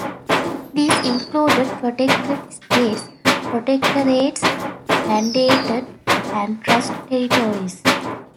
These included protected states, protectorates, mandated and trust territories.